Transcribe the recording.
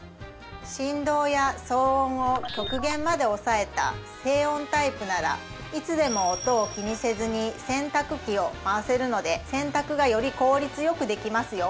振動や騒音を極限まで抑えた静音タイプならいつでも音を気にせずに洗濯機を回せるので洗濯がより効率よくできますよ